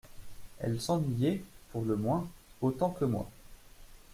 «Elle s'ennuyait, pour le moins, autant que moi.